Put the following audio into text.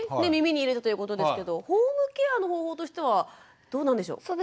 耳に入れたということですけどホームケアの方法としてはどうなんでしょう？